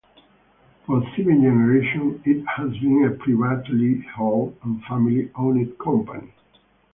For seven generations it has been a privately held and family-owned company.